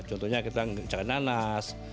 contohnya kita kejaganananas